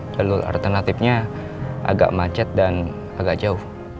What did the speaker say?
jalur alternatifnya agak macet dan agak jauh